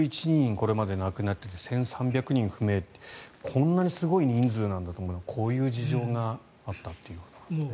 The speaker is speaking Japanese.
これまで亡くなっていて１３００人が不明ってこんなにすごい人数なんだってこういう事情があったということなんですね。